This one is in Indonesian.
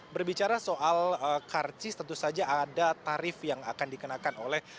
berbicara soal karcis tentu saja ada tarif yang akan dikenakan oleh